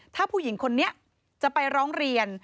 ถ้าผู้หญิงคนนี้จะไปร้องเรียน